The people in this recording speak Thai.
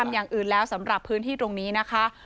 อย่างอื่นแล้วสำหรับพื้นที่ตรงนี้นะคะ